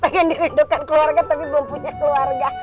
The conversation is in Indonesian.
pengen dirindukan keluarga tapi belum punya keluarga